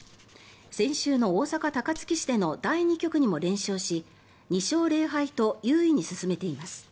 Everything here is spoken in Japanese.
先週の大阪・高槻市での第２局にも連勝し２勝０敗と優位に進めています。